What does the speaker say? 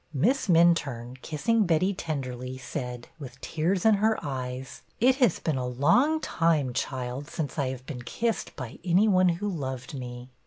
Miss Minturne, kissing Betty tenderly, said, with tears in her eyes: It has been a long time, child, since I have been kissed by any one who loved me."